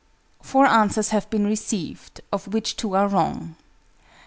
Four answers have been received, of which two are wrong.